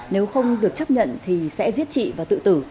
nếu không được chấp nhận thì sẽ giết chị và tự tử